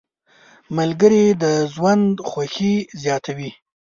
ملګري د ژوند خوښي زیاته وي.